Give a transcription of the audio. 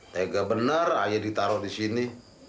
tegak bener ayah ditaro disini